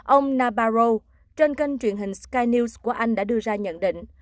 ông nabarrocho trên kênh truyền hình sky news của anh đã đưa ra nhận định